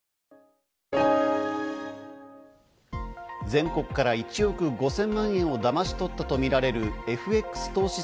全国から１億５０００万円をだまし取ったとみられるＦＸ投資